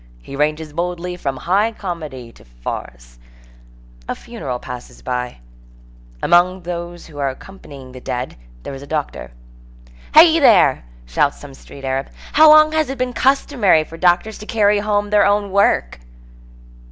He ranges boldly from high comedy to farce. A funeral passes by. Among those who accompany the dead there is a doctor. "Hey there!" shouts some street Arab, "how long has it been customary for doctors to carry home their own work?"